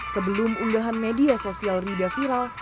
sebelum unggahan media sosial rida viral